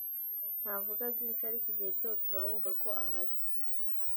ntavuga byinshi ariko igihe cyose uba wumva ko ahari”